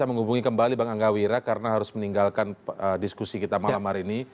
kita menghubungi kembali bang anggawi raya karena harus meninggalkan diskusi kita malam hari ini